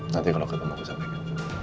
nanti kalau ketemu aku sampaikan